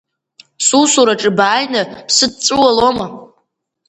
Сусураҿы бааины бсыдҵәуалома?